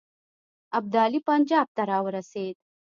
ابدالي پنجاب ته را ورسېد.